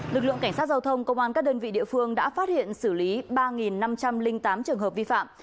lực lượng cảnh sát giao thông công an các đơn vị địa phương đã phát hiện xử lý ba năm trăm linh tám trường hợp vi phạm